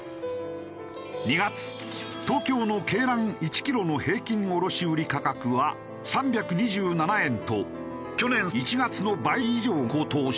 ２月東京の鶏卵１キロの平均卸売価格は３２７円と去年１月の倍以上高騰している。